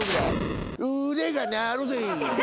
腕が鳴るぜ。